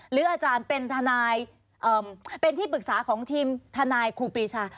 หรือเป็นที่ปรึกษาของทีมทนายครูปีชา